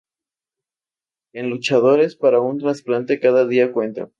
En ""Luchadores", para un trasplante cada día cuenta".